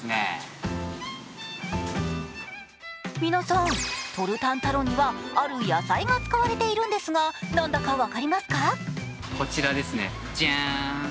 皆さん、トルタンタロンにはある野菜が使われているんですが何だか分かりますか？